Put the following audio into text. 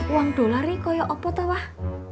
uang dolar ini kaya apa tawah